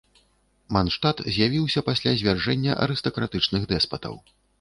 Мандштат з'явіўся пасля звяржэння арыстакратычных дэспатаў.